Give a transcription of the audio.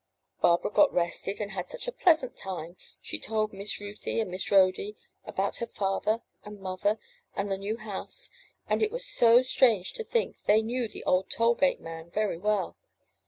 Barbara got rested and had such a pleasant time. She told Miss Ruthy and Miss Rhody about her father and mother and the new house, and it was so strange to think they knew the old toll gate man very well.